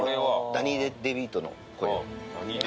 ダニー・デヴィートの声を？